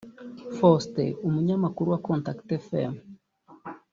Faustin (umunyamakuru wa contact fm)